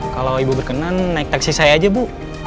kalau ibu berkenan naik taksi saya aja bu